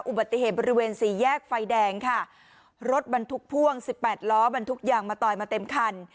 อุบัติเหตุบริเวณสี่แยกไฟแดงค่ะรถบรรทุกพ่วงสิบแปดล้อบรรทุกยางมาต่อยมาเต็มคัน